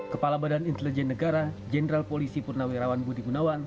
kepala badan intelijen negara jenderal polisi purnawirawan budi gunawan